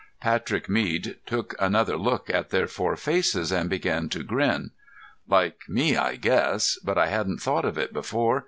Patrick Mead took another look at their four faces and began to grin. "Like me, I guess. But I hadn't thought of it before.